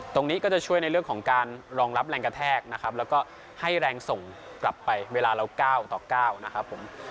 ตรงนี้ก็จะช่วยในเรื่องของการรองรับแรงกระแทกนะครับแล้วก็ให้แรงส่งกลับไปเวลาเรา๙ต่อ๙นะครับผม